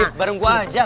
dip bareng gua aja